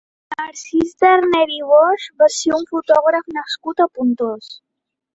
Narcís Darder i Bosch va ser un fotògraf nascut a Pontós.